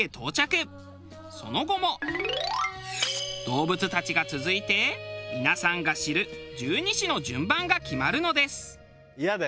その後も動物たちが続いて皆さんが知る十二支の順番が決まるのです。